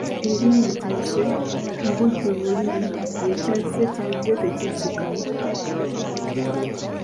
Erinnya Kyazze mubujjuvu liri Ekyazze kyazze tekizzikayo.